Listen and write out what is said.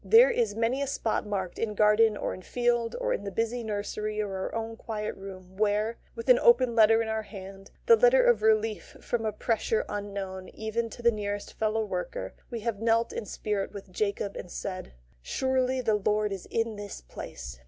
There is many a spot marked in garden or in field or in the busy nursery or our own quiet room, where, with the open letter in our hand the letter of relief from a pressure unknown even to the nearest fellow worker we have knelt in spirit with Jacob and said: "Surely the Lord is in this place!"